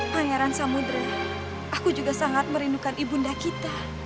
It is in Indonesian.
pangeran samudera aku juga sangat merindukan ibunda kita